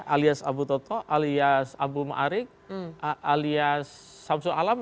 alias abu toto alias abu ma'arik alias samsul alam